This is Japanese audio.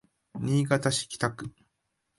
新潟市北区